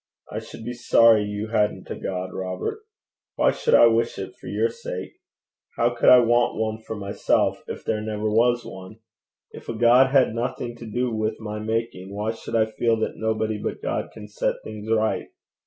'I should be sorry you hadn't a God, Robert. Why should I wish it for your sake? How could I want one for myself if there never was one? If a God had nothing to do with my making, why should I feel that nobody but God can set things right?